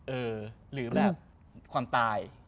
เออหรือแบบความตาย